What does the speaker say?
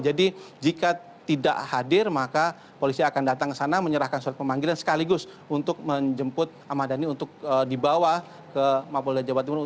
jadi jika tidak hadir maka polisi akan datang ke sana menyerahkan surat pemanggilan sekaligus untuk menjemput ahmad dhani untuk dibawa ke mapul dan jabatan timur